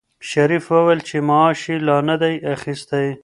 شریف وویل چې معاش یې لا نه دی اخیستی.